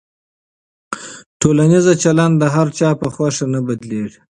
ټولنیز چلند د هر چا په خوښه نه بدلېږي.